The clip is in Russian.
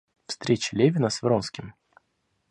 Встреча Левина с Вронским.